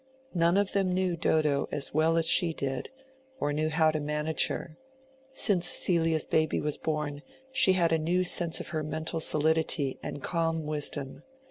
None of them knew Dodo as well as she did, or knew how to manage her. Since Celia's baby was born, she had had a new sense of her mental solidity and calm wisdom.